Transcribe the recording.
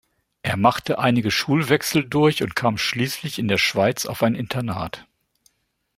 Er machte einige Schulwechsel durch und kam schließlich in der Schweiz auf ein Internat.